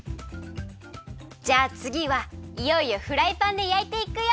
じゃあつぎはいよいよフライパンでやいていくよ。